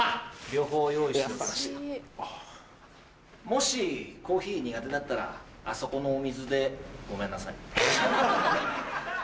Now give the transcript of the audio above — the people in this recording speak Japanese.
もしコーヒー苦手だったらあそこのお水でごめんなさい。